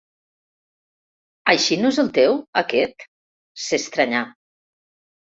Així no és el teu, aquest? —s'estranyà.